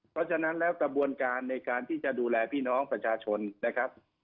เพราะฉะนั้นแล้วกระบวนการในการที่จะดูแลพี่น้องประชาชนนะครับ